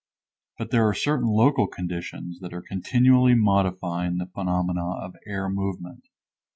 But there are certain local conditions that are continually modifying the phenomena of air movement.